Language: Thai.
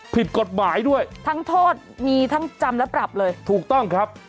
ผิดกฎหมายด้วยทั้งโทษมีทั้งจำและปรับเลยถูกต้องครับ